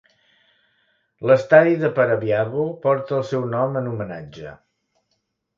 L'estadi de Parabiago porta el seu nom en homenatge.